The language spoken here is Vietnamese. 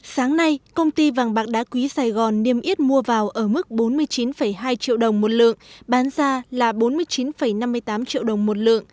sáng nay công ty vàng bạc đá quý sài gòn niêm yết mua vào ở mức bốn mươi chín hai triệu đồng một lượng bán ra là bốn mươi chín năm mươi tám triệu đồng một lượng